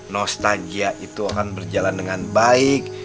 nostalgia itu akan berjalan dengan baik